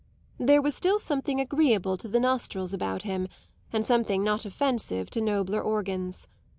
There was still something agreeable to the nostrils about him and something not offensive to nobler organs.